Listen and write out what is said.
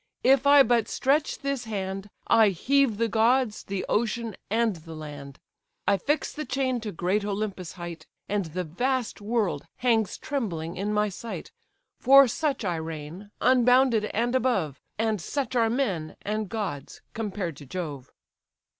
if I but stretch this hand, I heave the gods, the ocean, and the land; I fix the chain to great Olympus' height, And the vast world hangs trembling in my sight! For such I reign, unbounded and above; And such are men, and gods, compared to Jove."